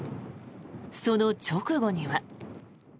その直後には。